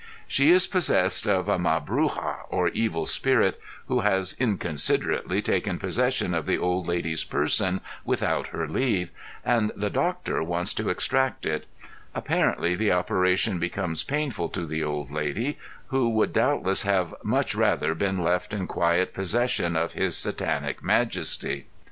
She is possessed of a Mabruja or Evil Spirit, who has inconsiderately taken possession of the old lady's person, without her leave, and the "doctor" wants to extract it; apparently the operation becomes painful to the old lady, who would doubtless have much rather been left in quiet possession of his satanic majesty.